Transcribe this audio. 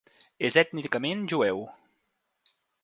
És ètnicament jueu.